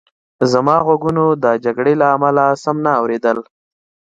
زما غوږونو د جګړې له امله سم نه اورېدل